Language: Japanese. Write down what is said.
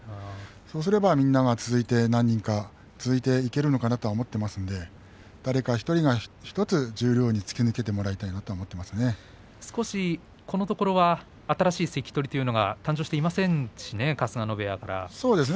そうすればみんなが続いて何人か続いていけるのかなと思っていますので誰か１人が１つ十両に突き抜けてこのところは新しい関取が誕生していませんしね